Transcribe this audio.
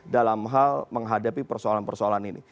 dalam hal menghadapi persoalan persoalan ini